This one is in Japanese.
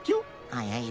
はい？